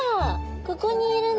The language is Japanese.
ここにいるの？